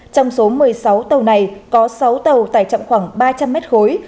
trong số một mươi sáu tàu này có sáu tàu tải trọng khoảng ba trăm linh mét khối